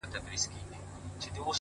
د خپل ښايسته خيال پر رنگينه پاڼه”